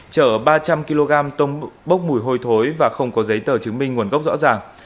chở ba trăm linh kg bốc mùi hôi thối và không có giấy tờ chứng minh nguồn gốc rõ ràng